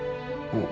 うん。